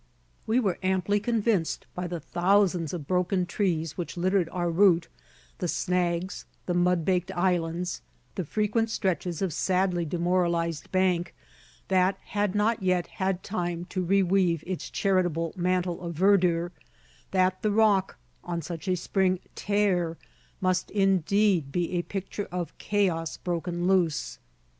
We were amply convinced, by the thousands of broken trees which littered our route, the snags, the mud baked islands, the frequent stretches of sadly demoralized bank that had not yet had time to reweave its charitable mantle of verdure, that the Rock, on such a spring "tear," must indeed be a picture of chaos broken loose.